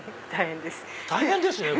大変です。